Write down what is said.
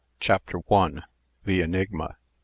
CHAPTER I. THE ENIGMA.